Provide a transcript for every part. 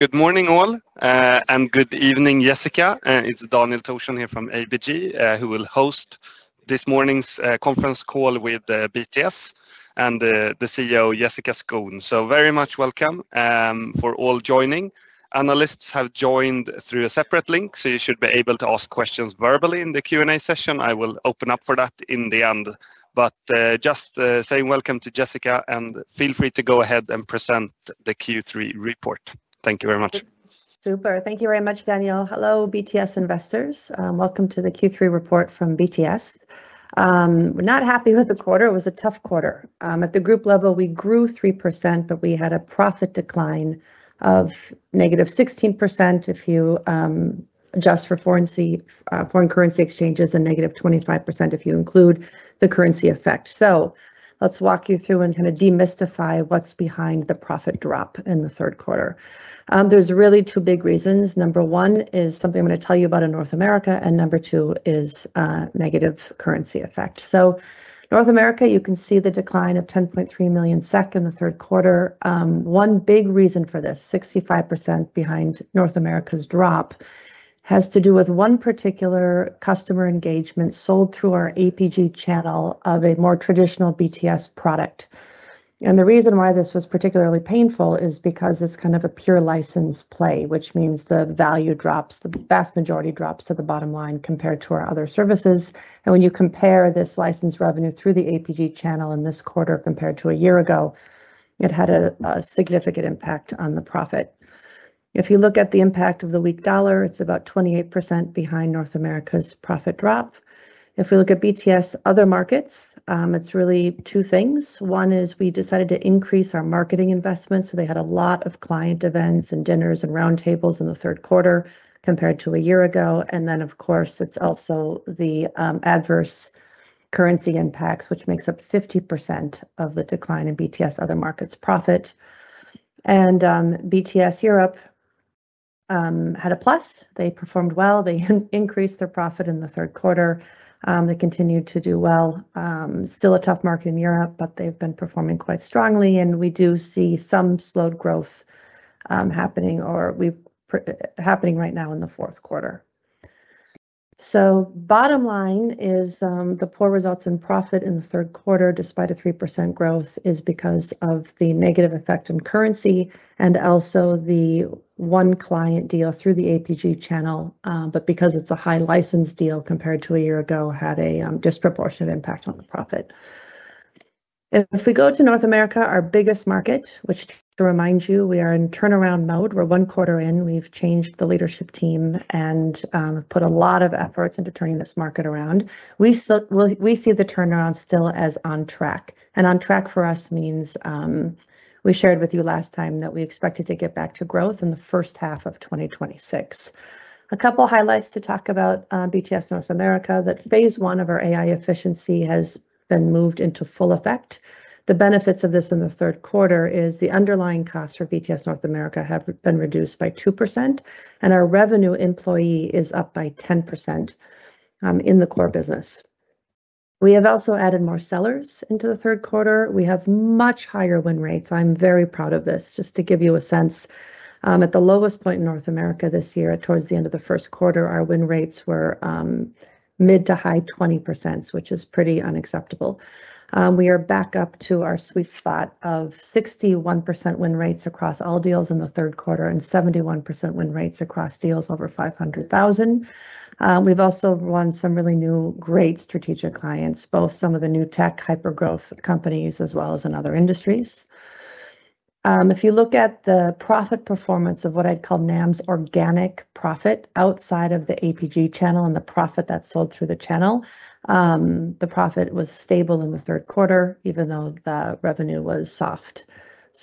Good morning, all, and good evening, Jessica. It's Daniel Thorsson here from ABG, who will host this morning's conference call with BTS and the CEO, Jessica Skon. So very much welcome for all joining. Analysts have joined through a separate link, so you should be able to ask questions verbally in the Q&A session. I will open up for that in the end. Just saying welcome to Jessica, and feel free to go ahead and present the Q3 report. Thank you very much. Super. Thank you very much, Daniel. Hello, BTS investors. Welcome to the Q3 report from BTS. We're not happy with the quarter. It was a tough quarter. At the group level, we grew 3%, but we had a profit decline of -16% if you adjust for foreign currency exchanges and -25% if you include the currency effect. Let's walk you through and kind of demystify what's behind the profit drop in the third quarter. There are really two big reasons. Number one is something I'm going to tell you about in North America, and number two is negative currency effect. North America, you can see the decline of 10.3 million SEK in the third quarter. One big reason for this, 65% behind North America's drop, has to do with one particular customer engagement sold through our APG channel of a more traditional BTS product. The reason why this was particularly painful is because it's kind of a pure license play, which means the value drops, the vast majority drops to the bottom line compared to our other services. When you compare this license revenue through the APG channel in this quarter compared to a year ago, it had a significant impact on the profit. If you look at the impact of the weak dollar, it's about 28% behind North America's profit drop. If we look at BTS other markets, it's really two things. One is we decided to increase our marketing investments, so they had a lot of client events and dinners and roundtables in the third quarter compared to a year ago. Of course, it's also the adverse currency impacts, which makes up 50% of the decline in BTS other markets' profit. BTS Europe had a plus. They performed well. They increased their profit in the third quarter. They continued to do well. Still a tough market in Europe, but they have been performing quite strongly. We do see some slowed growth happening or happening right now in the fourth quarter. The bottom line is the poor results in profit in the third quarter, despite a 3% growth, is because of the negative effect on currency and also the one client deal through the APG channel. Because it is a high license deal compared to a year ago, it had a disproportionate impact on the profit. If we go to North America, our biggest market, which to remind you, we are in turnaround mode. We are one quarter in. We have changed the leadership team and put a lot of efforts into turning this market around. We see the turnaround still as on track. On track for us means we shared with you last time that we expected to get back to growth in the first half of 2026. A couple of highlights to talk about BTS North America: that phase I of our AI efficiency has been moved into full effect. The benefits of this in the third quarter is the underlying costs for BTS North America have been reduced by 2%, and our revenue per employee is up by 10% in the core business. We have also added more sellers into the third quarter. We have much higher win rates. I'm very proud of this. Just to give you a sense, at the lowest point in North America this year, towards the end of the first quarter, our win rates were mid to high 20%, which is pretty unacceptable. We are back up to our sweet spot of 61% win rates across all deals in the third quarter and 71% win rates across deals over $500,000. We've also won some really new, great strategic clients, both some of the new tech hypergrowth companies as well as in other industries. If you look at the profit performance of what I'd call NAM's organic profit outside of the APG channel and the profit that's sold through the channel, the profit was stable in the third quarter, even though the revenue was soft.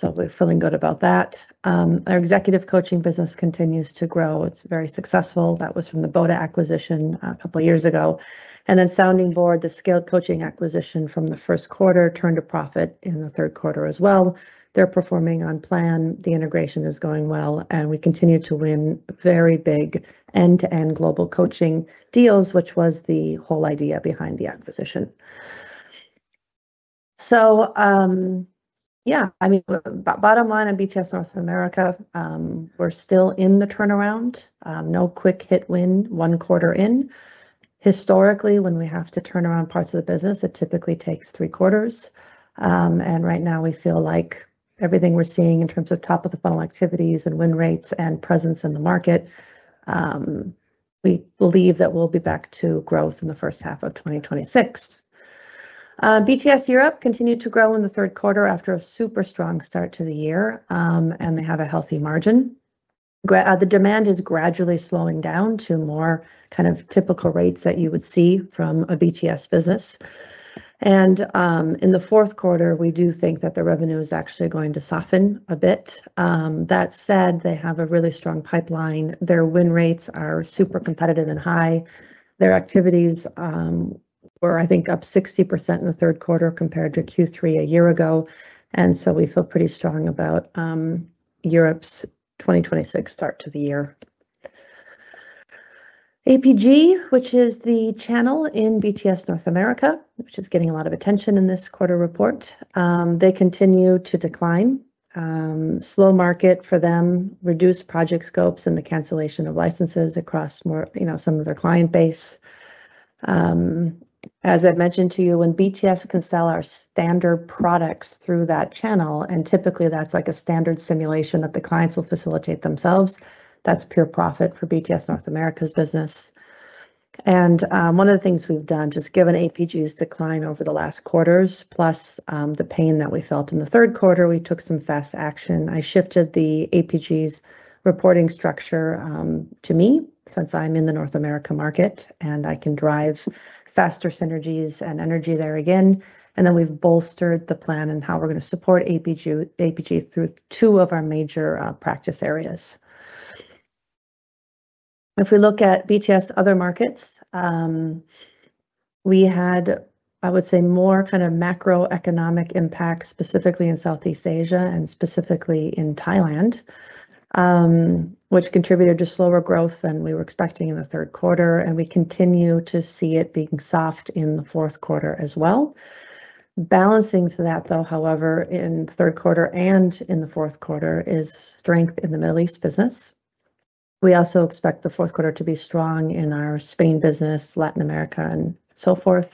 We're feeling good about that. Our executive coaching business continues to grow. It's very successful. That was from the BOTA acquisition a couple of years ago. Sounding Board, the scaled coaching acquisition from the first quarter, turned a profit in the third quarter as well. They're performing on plan. The integration is going well, and we continue to win very big end-to-end global coaching deals, which was the whole idea behind the acquisition. Yeah, I mean, bottom line on BTS North America, we're still in the turnaround. No quick hit win one quarter in. Historically, when we have to turn around parts of the business, it typically takes three quarters. Right now, we feel like everything we're seeing in terms of top-of-the-funnel activities and win rates and presence in the market, we believe that we'll be back to growth in the first half of 2026. BTS Europe continued to grow in the third quarter after a super strong start to the year, and they have a healthy margin. The demand is gradually slowing down to more kind of typical rates that you would see from a BTS business. In the fourth quarter, we do think that the revenue is actually going to soften a bit. That said, they have a really strong pipeline. Their win rates are super competitive and high. Their activities were, I think, up 60% in the third quarter compared to Q3 a year ago. We feel pretty strong about Europe's 2026 start to the year. APG, which is the channel in BTS North America, which is getting a lot of attention in this quarter report, they continue to decline. Slow market for them, reduced project scopes and the cancellation of licenses across some of their client base. As I've mentioned to you, when BTS can sell our standard products through that channel, and typically that's like a standard simulation that the clients will facilitate themselves, that's pure profit for BTS North America's business. One of the things we've done, just given APG's decline over the last quarters, plus the pain that we felt in the third quarter, we took some fast action. I shifted APG's reporting structure to me since I'm in the North America market, and I can drive faster synergies and energy there again. Then we've bolstered the plan and how we're going to support APG through two of our major practice areas. If we look at BTS other markets, we had, I would say, more kind of macroeconomic impacts specifically in Southeast Asia and specifically in Thailand, which contributed to slower growth than we were expecting in the third quarter. We continue to see it being soft in the fourth quarter as well. Balancing to that, though, however, in the third quarter and in the fourth quarter is strength in the Middle East business. We also expect the fourth quarter to be strong in our Spain business, Latin America, and so forth.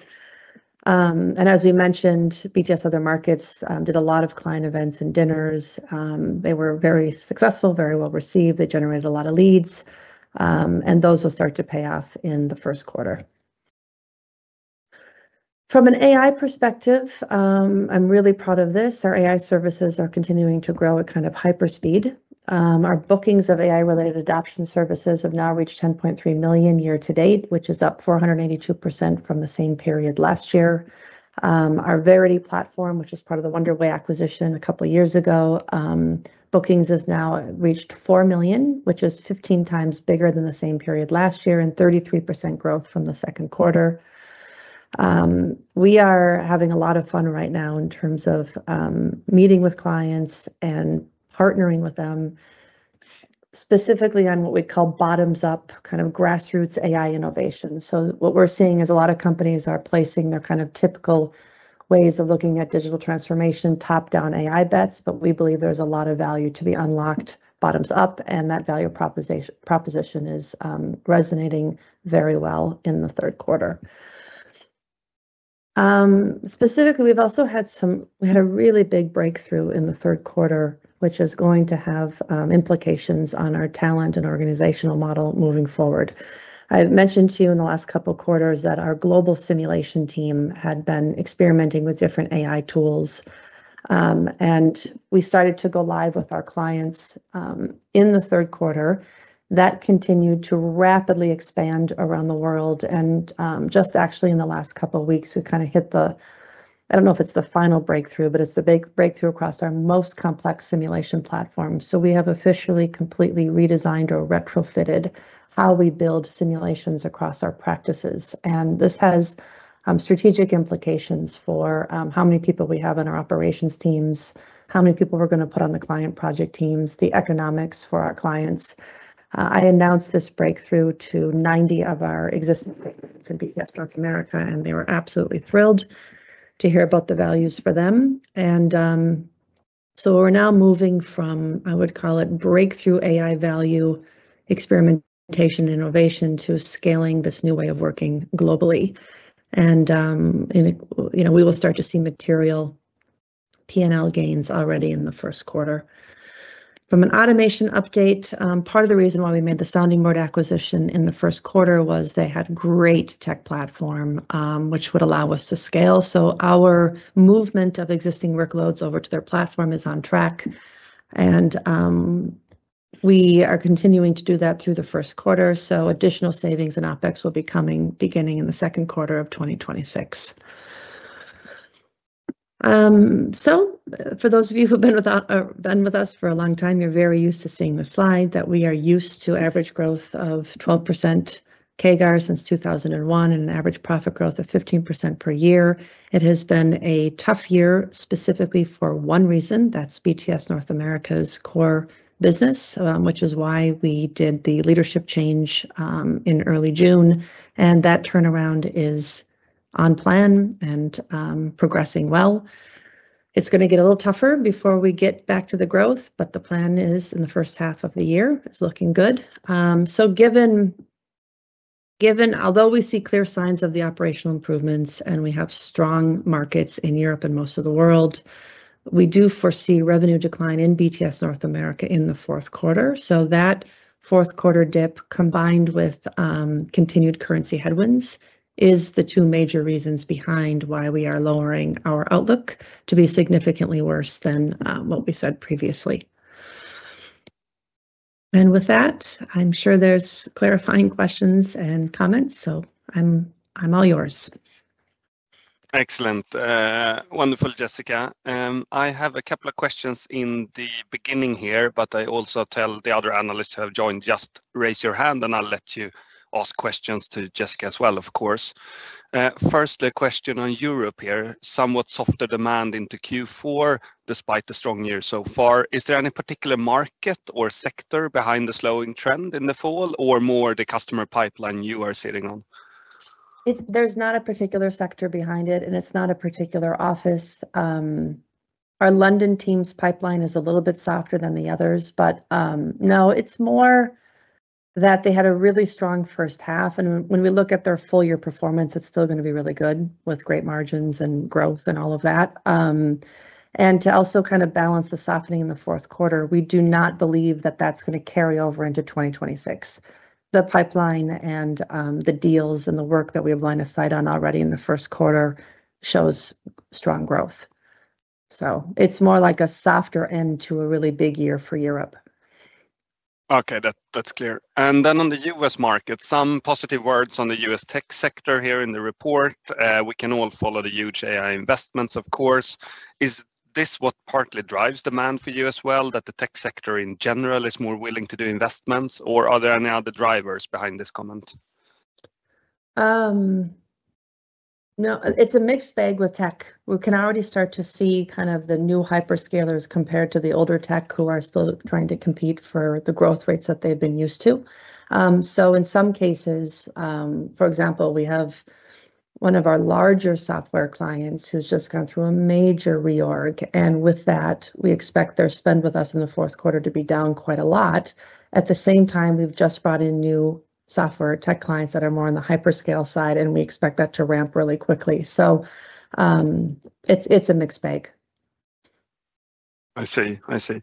As we mentioned, BTS other markets did a lot of client events and dinners. They were very successful, very well received. They generated a lot of leads, and those will start to pay off in the first quarter. From an AI perspective, I'm really proud of this. Our AI services are continuing to grow at kind of hyper speed. Our bookings of AI-related adoption services have now reached 10.3 million year to date, which is up 482% from the same period last year. Our Verity platform, which is part of the Wonderway acquisition a couple of years ago, bookings has now reached 4 million, which is 15 times bigger than the same period last year and 33% growth from the second quarter. We are having a lot of fun right now in terms of meeting with clients and partnering with them specifically on what we'd call bottoms-up kind of grassroots AI innovation. What we're seeing is a lot of companies are placing their kind of typical ways of looking at digital transformation top-down AI bets, but we believe there's a lot of value to be unlocked bottoms-up, and that value proposition is resonating very well in the third quarter. Specifically, we've also had some—we had a really big breakthrough in the third quarter, which is going to have implications on our talent and organizational model moving forward. I've mentioned to you in the last couple of quarters that our global simulation team had been experimenting with different AI tools, and we started to go live with our clients in the third quarter. That continued to rapidly expand around the world. Just actually in the last couple of weeks, we kind of hit the—I do not know if it is the final breakthrough, but it is the big breakthrough across our most complex simulation platform. We have officially completely redesigned or retrofitted how we build simulations across our practices. This has strategic implications for how many people we have in our operations teams, how many people we are going to put on the client project teams, the economics for our clients. I announced this breakthrough to 90 of our existing clients in BTS North America, and they were absolutely thrilled to hear about the values for them. We are now moving from, I would call it, breakthrough AI value experimentation and innovation to scaling this new way of working globally. We will start to see material P&L gains already in the first quarter. From an automation update, part of the reason why we made the Sounding Board acquisition in the first quarter was they had a great tech platform, which would allow us to scale. Our movement of existing workloads over to their platform is on track, and we are continuing to do that through the first quarter. Additional savings in OpEx will be coming beginning in the second quarter of 2026. For those of you who have been with us for a long time, you are very used to seeing the slide that we are used to average growth of 12% CAGR since 2001 and an average profit growth of 15% per year. It has been a tough year specifically for one reason. That is BTS North America's core business, which is why we did the leadership change in early June. That turnaround is on plan and progressing well. It's going to get a little tougher before we get back to the growth, but the plan is in the first half of the year is looking good. Given although we see clear signs of the operational improvements and we have strong markets in Europe and most of the world, we do foresee revenue decline in BTS North America in the fourth quarter. That fourth quarter dip combined with continued currency headwinds is the two major reasons behind why we are lowering our outlook to be significantly worse than what we said previously. With that, I'm sure there's clarifying questions and comments, so I'm all yours. Excellent. Wonderful, Jessica. I have a couple of questions in the beginning here, but I also tell the other analysts who have joined just raise your hand, and I'll let you ask questions to Jessica as well, of course. First, the question on Europe here, somewhat softer demand into Q4 despite the strong year so far. Is there any particular market or sector behind the slowing trend in the fall or more the customer pipeline you are sitting on? There's not a particular sector behind it, and it's not a particular office. Our London team's pipeline is a little bit softer than the others, but no, it's more that they had a really strong first half. When we look at their full year performance, it's still going to be really good with great margins and growth and all of that. To also kind of balance the softening in the fourth quarter, we do not believe that that's going to carry over into 2026. The pipeline and the deals and the work that we have lined aside on already in the first quarter shows strong growth. It is more like a softer end to a really big year for Europe. Okay, that is clear. Then on the U.S. market, some positive words on the U.S. tech sector here in the report. We can all follow the huge AI investments, of course. Is this what partly drives demand for you as well, that the tech sector in general is more willing to do investments, or are there any other drivers behind this comment? No, it is a mixed bag with tech. We can already start to see kind of the new hyperscalers compared to the older tech who are still trying to compete for the growth rates that they have been used to. In some cases, for example, we have one of our larger software clients who's just gone through a major reorg, and with that, we expect their spend with us in the fourth quarter to be down quite a lot. At the same time, we've just brought in new software tech clients that are more on the hyperscale side, and we expect that to ramp really quickly. It's a mixed bag. I see. I see.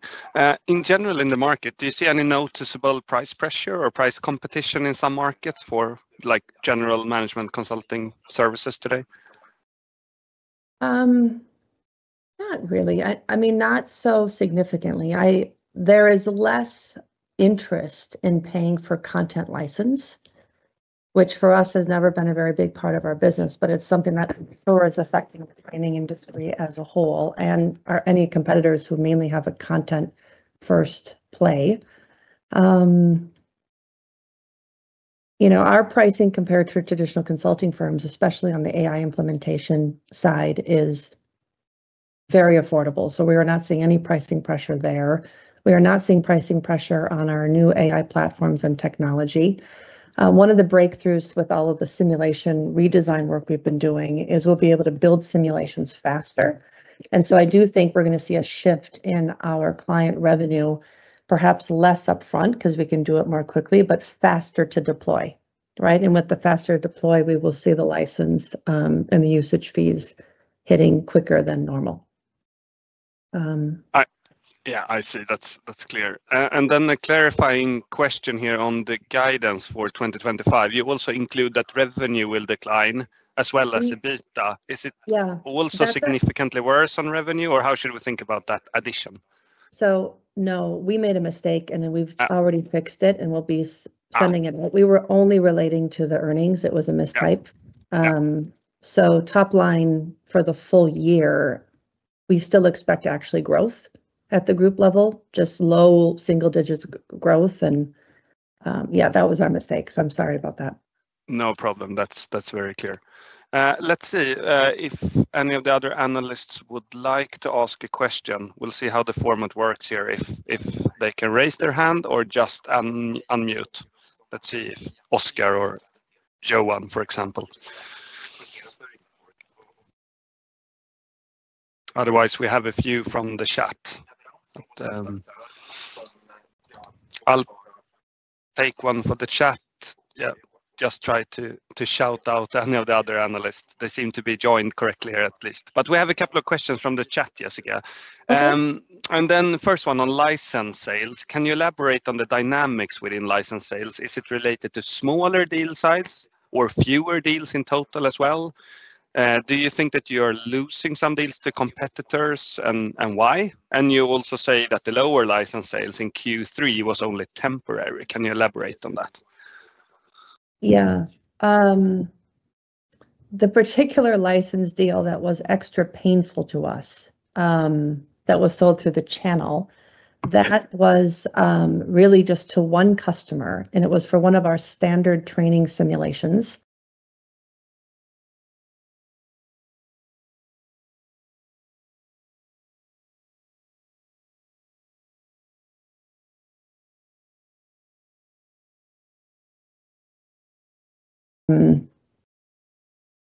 In general, in the market, do you see any noticeable price pressure or price competition in some markets for general management consulting services today? Not really. I mean, not so significantly. There is less interest in paying for content license, which for us has never been a very big part of our business, but it's something that I'm sure is affecting the training industry as a whole and any competitors who mainly have a content-first play. Our pricing compared to traditional consulting firms, especially on the AI implementation side, is very affordable. We are not seeing any pricing pressure there. We are not seeing pricing pressure on our new AI platforms and technology. One of the breakthroughs with all of the simulation redesign work we've been doing is we'll be able to build simulations faster. I do think we're going to see a shift in our client revenue, perhaps less upfront because we can do it more quickly, but faster to deploy, right? With the faster deploy, we will see the license and the usage fees hitting quicker than normal. Yeah, I see. That's clear. The clarifying question here on the guidance for 2025, you also include that revenue will decline as well as the EBITA. Is it also significantly worse on revenue, or how should we think about that addition? No, we made a mistake, and we've already fixed it, and we'll be sending it. We were only relating to the earnings. It was a mistype. Top line for the full year, we still expect actually growth at the group level, just low single digits growth. That was our mistake. I'm sorry about that. No problem. That's very clear. Let's see if any of the other analysts would like to ask a question. We'll see how the format works here if they can raise their hand or just unmute. Let's see if Oscar or Johan, for example. Otherwise, we have a few from the chat. I'll take one from the chat. Just try to shout out, any of the other analysts. They seem to be joined correctly here, at least. We have a couple of questions from the chat, Jessica. The first one on license sales. Can you elaborate on the dynamics within license sales? Is it related to smaller deal size or fewer deals in total as well? Do you think that you are losing some deals to competitors and why? You also say that the lower license sales in Q3 was only temporary. Can you elaborate on that? Yeah. The particular license deal that was extra painful to us that was sold through the channel, that was really just to one customer, and it was for one of our standard training simulations.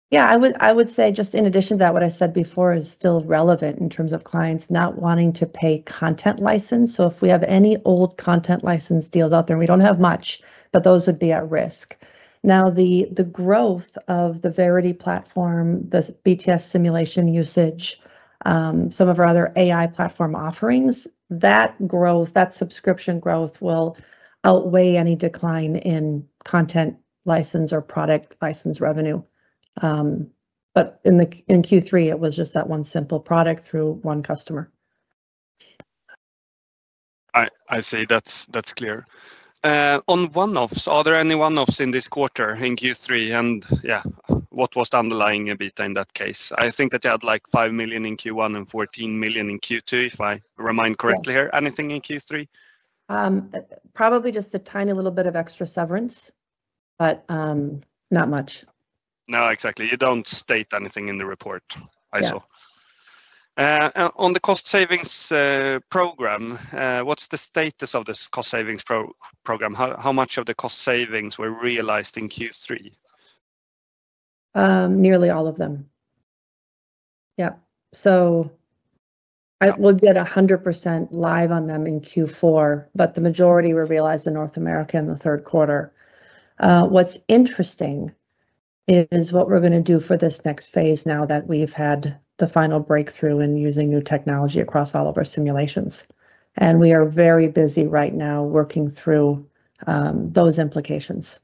Yeah, I would say just in addition to that, what I said before is still relevant in terms of clients not wanting to pay content license. If we have any old content license deals out there, and we do not have much, but those would be at risk. Now, the growth of the Verity platform, the BTS simulation usage, some of our other AI platform offerings, that growth, that subscription growth will outweigh any decline in content license or product license revenue. In Q3, it was just that one simple product through one customer. I see. That is clear. On one-offs, are there any one-offs in this quarter in Q3? Yeah, what was the underlying EBITA in that case? I think that you had like $5 million in Q1 and $14 million in Q2, if I remind correctly here. Anything in Q3? Probably just a tiny little bit of extra severance, but not much. No, exactly. You do not state anything in the report, I saw. On the cost savings program, what is the status of this cost savings program? How much of the cost savings were realized in Q3? Nearly all of them. Yep. We will get 100% live on them in Q4, but the majority were realized in North America in the third quarter. What is interesting is what we are going to do for this next phase now that we have had the final breakthrough in using new technology across all of our simulations. We are very busy right now working through those implications.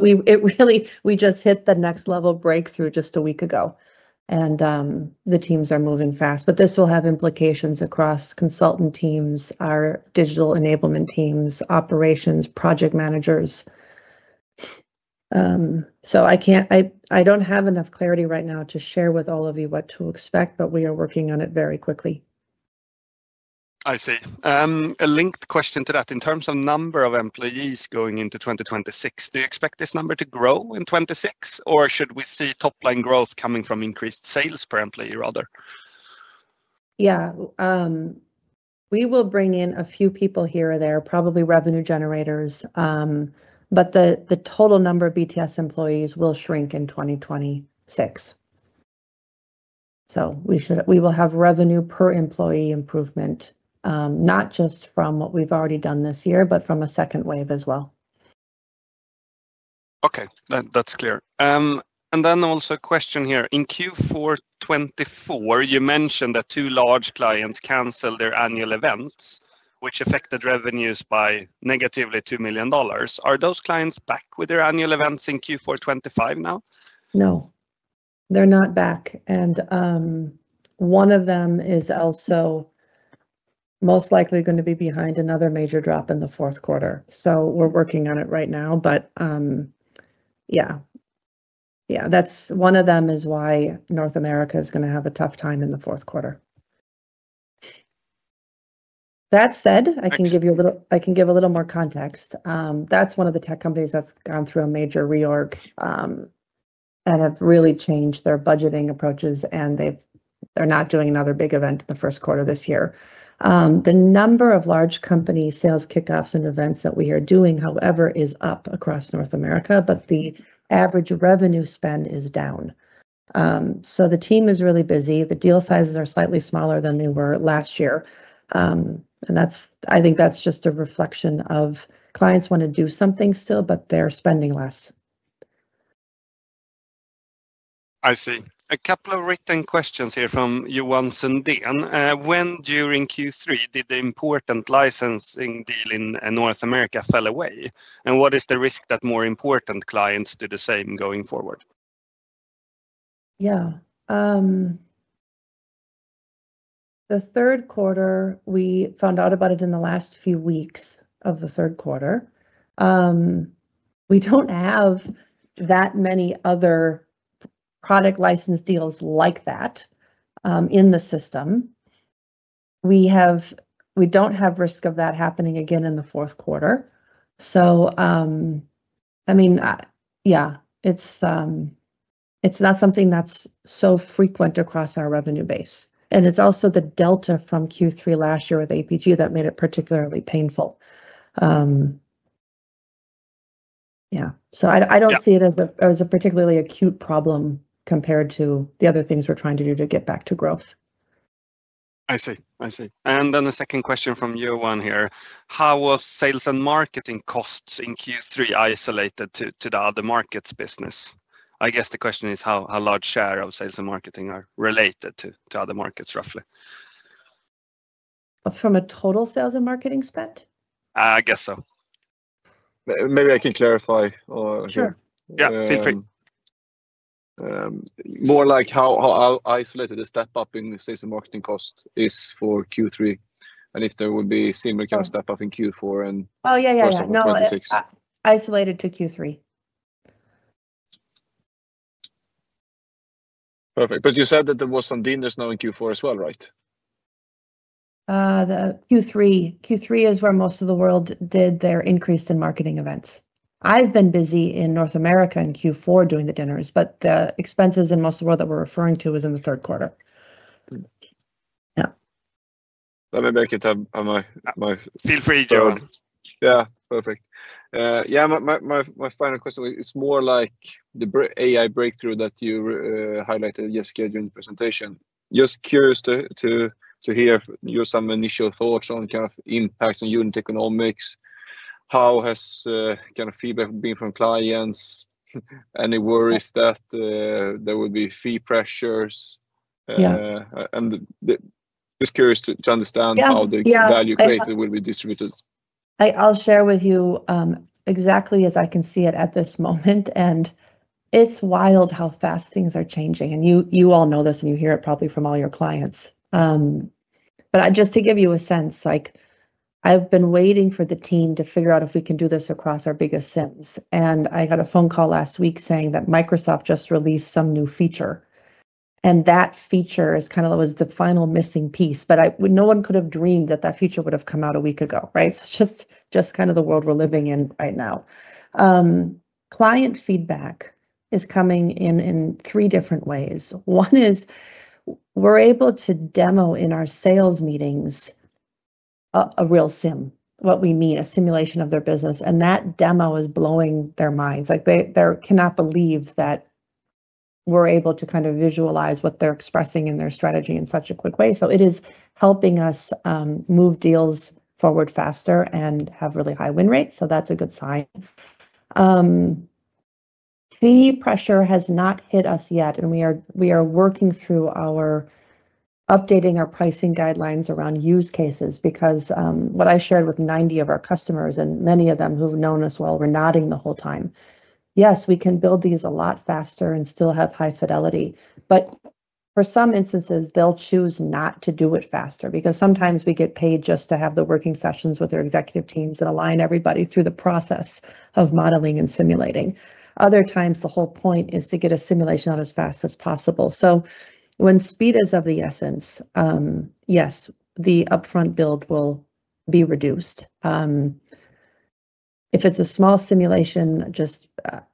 We just hit the next level breakthrough just a week ago, and the teams are moving fast. This will have implications across consultant teams, our digital enablement teams, operations, project managers. I do not have enough clarity right now to share with all of you what to expect, but we are working on it very quickly. I see. A linked question to that. In terms of number of employees going into 2026, do you expect this number to grow in 2026, or should we see top-line growth coming from increased sales per employee rather? Yeah. We will bring in a few people here or there, probably revenue generators, but the total number of BTS employees will shrink in 2026. We will have revenue per employee improvement, not just from what we have already done this year, but from a second wave as well. Okay. That is clear. Then also a question here. In Q4 2024, you mentioned that two large clients canceled their annual events, which affected revenues by negatively $2 million. Are those clients back with their annual events in Q4 2025 now? No. They're not back. And one of them is also most likely going to be behind another major drop in the fourth quarter. We're working on it right now, but yeah. That's one of them is why North America is going to have a tough time in the fourth quarter. That said, I can give you a little, I can give a little more context. That's one of the tech companies that's gone through a major reorg and have really changed their budgeting approaches, and they're not doing another big event in the first quarter this year. The number of large company sales kickoffs and events that we are doing, however, is up across North America, but the average revenue spend is down. The team is really busy. The deal sizes are slightly smaller than they were last year. I think that's just a reflection of clients want to do something still, but they're spending less. I see. A couple of written questions here from Johan Sundén. When during Q3 did the important licensing deal in North America fall away? What is the risk that more important clients do the same going forward? Yeah. The third quarter, we found out about it in the last few weeks of the third quarter. We do not have that many other product license deals like that in the system. We do not have risk of that happening again in the fourth quarter. I mean, yeah, it's not something that's so frequent across our revenue base. It's also the delta from Q3 last year with APG that made it particularly painful. Yeah. I don't see it as a particularly acute problem compared to the other things we're trying to do to get back to growth. I see. I see. The second question from Johan here. How was sales and marketing costs in Q3 isolated to the other markets business? I guess the question is how large share of sales and marketing are related to other markets, roughly. From a total sales and marketing spend? I guess so. Maybe I can clarify or. Sure. Yeah, feel free. More like how isolated the step-up in sales and marketing cost is for Q3 and if there would be a similar kind of step-up in Q4. No, isolated to Q3. Perfect. But you said that there were some dinners now in Q4 as well, right? Q3. Q3 is where most of the world did their increase in marketing events. I've been busy in North America in Q4 doing the dinners, but the expenses in most of the world that we're referring to was in the third quarter. Yeah. Let me make it my feel free, Johan. Yeah. Perfect. Yeah. My final question is more like the AI breakthrough that you highlighted, Jessica, during the presentation. Just curious to hear your some initial thoughts on kind of impacts on unit economics. How has kind of feedback been from clients? Any worries that there will be fee pressures? And just curious to understand how the value created will be distributed. I'll share with you exactly as I can see it at this moment. It is wild how fast things are changing. You all know this, and you hear it probably from all your clients. Just to give you a sense, I have been waiting for the team to figure out if we can do this across our biggest SIMs. I got a phone call last week saying that Microsoft just released some new feature. That feature was kind of the final missing piece. No one could have dreamed that that feature would have come out a week ago, right? That is just kind of the world we are living in right now. Client feedback is coming in three different ways. One is we are able to demo in our sales meetings a real SIM, what we mean, a simulation of their business. That demo is blowing their minds. They cannot believe that we're able to kind of visualize what they're expressing in their strategy in such a quick way. It is helping us move deals forward faster and have really high win rates. That's a good sign. Fee pressure has not hit us yet, and we are working through updating our pricing guidelines around use cases because what I shared with 90 of our customers, and many of them who've known us well, were nodding the whole time. Yes, we can build these a lot faster and still have high fidelity. For some instances, they'll choose not to do it faster because sometimes we get paid just to have the working sessions with our executive teams and align everybody through the process of modeling and simulating. Other times, the whole point is to get a simulation out as fast as possible. When speed is of the essence, yes, the upfront build will be reduced. If it is a small simulation,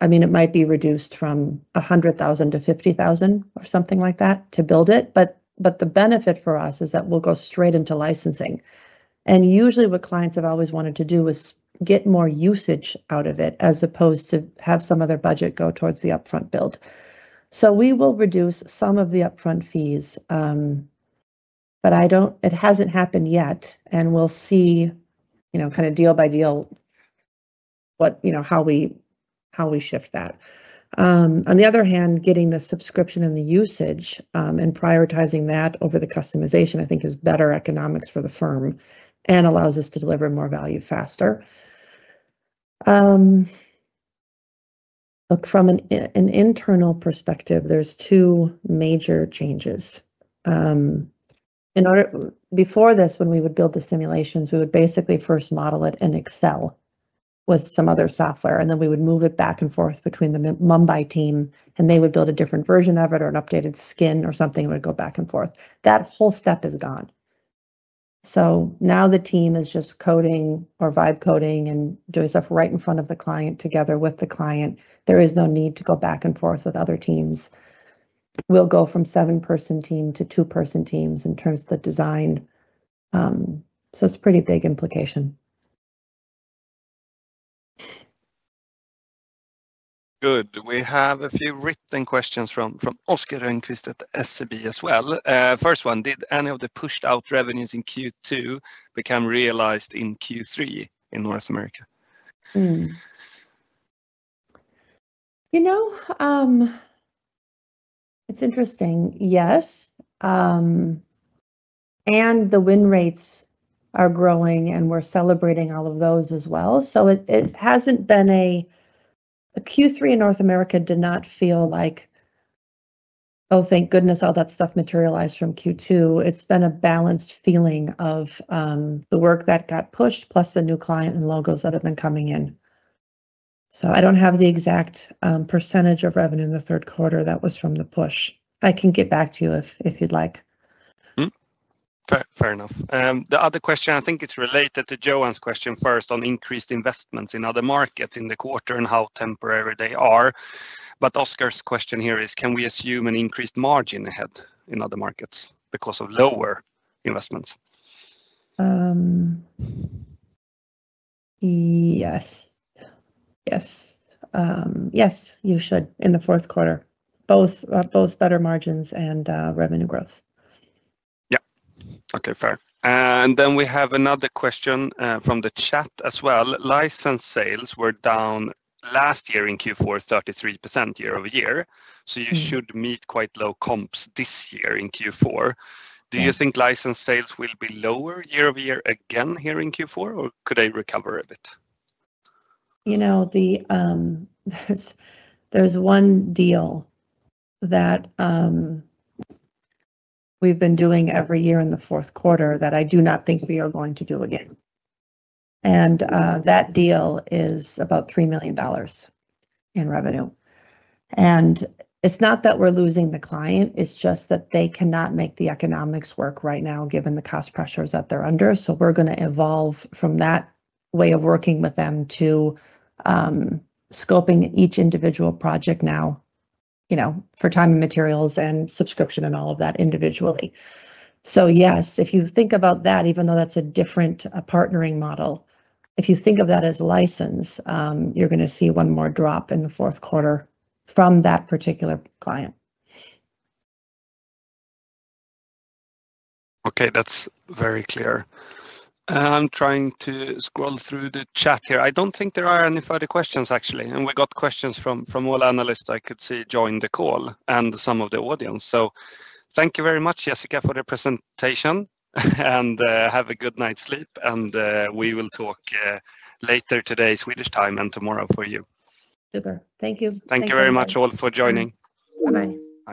I mean, it might be reduced from $100,000 to $50,000 or something like that to build it. The benefit for us is that we will go straight into licensing. Usually, what clients have always wanted to do is get more usage out of it as opposed to have some of their budget go towards the upfront build. We will reduce some of the upfront fees, but it has not happened yet. We will see kind of deal by deal how we shift that. On the other hand, getting the subscription and the usage and prioritizing that over the customization, I think, is better economics for the firm and allows us to deliver more value faster. Look, from an internal perspective, there are two major changes. Before this, when we would build the simulations, we would basically first model it in Excel with some other software, and then we would move it back and forth between the Mumbai team, and they would build a different version of it or an updated skin or something and would go back and forth. That whole step is gone. Now the team is just coding or vibe coding and doing stuff right in front of the client together with the client. There is no need to go back and forth with other teams. We'll go from seven-person team to two-person teams in terms of the design. It's a pretty big implication. Good. We have a few written questions from Oscar and Chris at SEB as well. First one, did any of the pushed-out revenues in Q2 become realized in Q3 in North America? It's interesting. Yes. The win rates are growing, and we're celebrating all of those as well. It has not been a Q3 in North America that felt like, "Oh, thank goodness, all that stuff materialized from Q2." It has been a balanced feeling of the work that got pushed plus the new client and logos that have been coming in. I do not have the exact percentage of revenue in the third quarter that was from the push. I can get back to you if you'd like. Fair enough. The other question, I think it is related to Johan's question first on increased investments in other markets in the quarter and how temporary they are. Oscar's question here is, can we assume an increased margin ahead in other markets because of lower investments? Yes. Yes. Yes, you should in the fourth quarter. Both better margins and revenue growth. Yeah. Okay. Fair. We have another question from the chat as well. License sales were down last year in Q4, 33% year-over-year. You should meet quite low comps this year in Q4. Do you think license sales will be lower year-over-year again here in Q4, or could they recover a bit? There is one deal that we have been doing every year in the fourth quarter that I do not think we are going to do again. That deal is about $3 million in revenue. It is not that we are losing the client. It is just that they cannot make the economics work right now given the cost pressures that they are under. We are going to evolve from that way of working with them to scoping each individual project now for time and materials and subscription and all of that individually. Yes, if you think about that, even though that's a different partnering model, if you think of that as license, you're going to see one more drop in the fourth quarter from that particular client. Okay. That's very clear. I'm trying to scroll through the chat here. I don't think there are any further questions, actually. We got questions from all analysts I could see join the call and some of the audience. Thank you very much, Jessica, for the presentation. Have a good night's sleep. We will talk later today, Swedish time, and tomorrow for you. Super. Thank you. Thank you very much all for joining. Bye-bye.